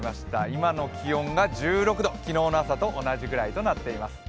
今の気温が１６度、昨日の朝と同じぐらいとなっています。